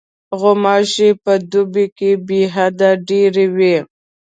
غوماشې په دوبي کې بېحده ډېرې وي.